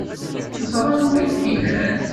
Teẓra anwa ay k-ilan.